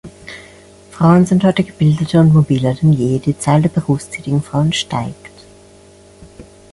Frauen sind heute gebildeter und mobiler denn je, die Zahl der berufstätigen Frauen steigt.